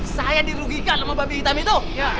saya dirugikan sama babi hitam itu